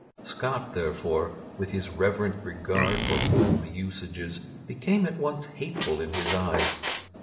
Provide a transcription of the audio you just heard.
Scott therefore, with his reverent regard for old usages, became at once hateful in his eyes.